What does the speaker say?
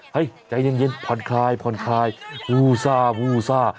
เฮ้ยใจเย็นผ่อนคลายฟูซ่า